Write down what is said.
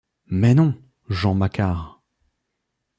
Mais non, Jean Macquart.